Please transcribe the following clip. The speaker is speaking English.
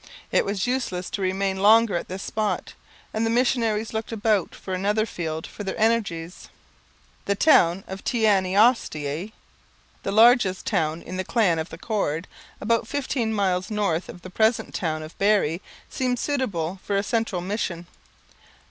It was useless to remain longer at this spot, and the missionaries looked about for another field for their energies. The town of Teanaostaiae, the largest town of the clan of the Cord, about fifteen miles north of the present town of Barrie, seemed suitable for a central mission.